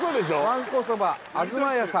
わんこそば東家さん